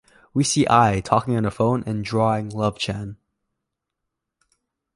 We see Ai talking on the phone and drawing Love-Chan.